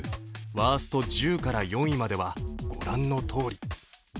ワースト１０から４位までは御覧のとおり。